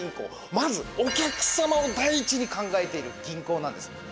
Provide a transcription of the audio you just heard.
まず、お客様を第一に考えている銀行なんですね。